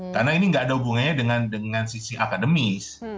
karena ini nggak ada hubungannya dengan sisi akademis